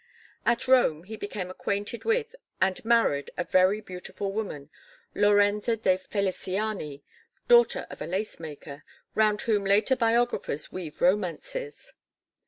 At Rome he became acquainted with and married a very beautiful woman, Lorenza de Feliciani, daughter of a lacemaker, round whom later biographers weave romances.